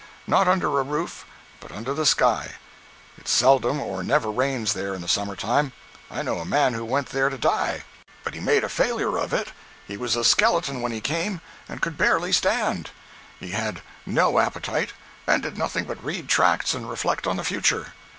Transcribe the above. Not under a roof, but under the sky; it seldom or never rains there in the summer time. I know a man who went there to die. But he made a failure of it. He was a skeleton when he came, and could barely stand. He had no appetite, and did nothing but read tracts and reflect on the future.